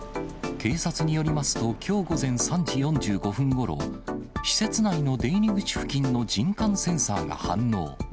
警察によりますときょう午前３時４５分ごろ、施設内の出入り口付近の人感センサーが反応。